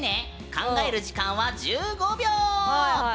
考える時間が１５秒。